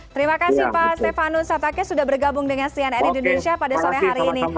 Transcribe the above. terima kasih pak stefanus satake sudah bergabung dengan cnn indonesia pada sore hari ini